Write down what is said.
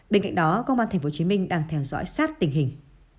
bên cạnh đó công an tp hcm đang theo dõi sát tình hình